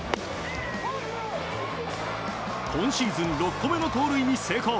今シーズン６個目の盗塁に成功。